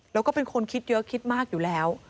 แล้วก็เป็นคนคิดเยอะคิดมากอยู่แล้ว